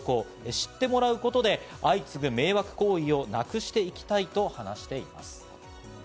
知ってもらうことで相次ぐ迷惑行為をなくしていきたいと話しています。